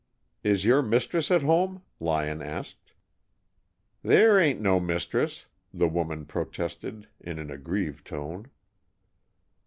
"Is your mistress at home?" Lyon asked. "There ain't no mistress," the woman protested, in an aggrieved tone.